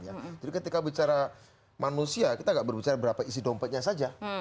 jadi ketika bicara manusia kita tidak berbicara berapa isi dompetnya saja